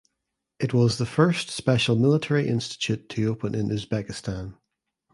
It was the first special military institute to open in Uzbekistan.